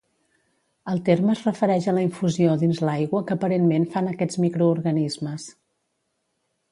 El terme es refereix a la infusió dins l'aigua que aparentment fan aquests microorganismes.